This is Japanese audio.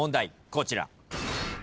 こちら。